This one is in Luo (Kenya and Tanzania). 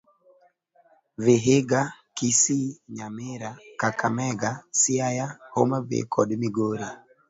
Vihiga, Kisii, Nyamira, Kakamega, Siaya, Homabay kod Migori.